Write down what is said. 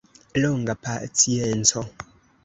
Longa pacienco.